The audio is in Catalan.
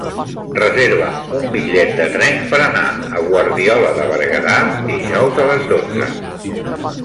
Reserva'm un bitllet de tren per anar a Guardiola de Berguedà dijous a les dotze.